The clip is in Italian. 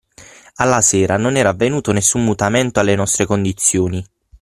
Alla sera non era avvenuto nessun mutamento alle nostre condizioni.